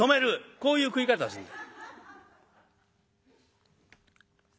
こういう食い方をするんだ」。